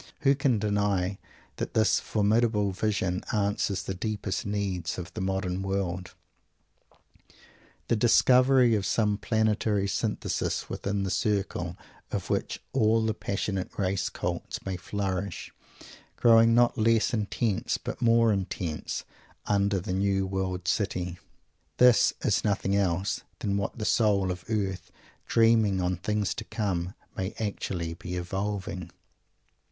Who can deny that this formidable vision answers the deepest need of the modern world? The discovery of some Planetary Synthesis within the circle of which all the passionate race cults may flourish; growing not less intense but more intense, under the new World City this is nothing else than what the soul of the earth, "dreaming on things to come" may actually be evolving.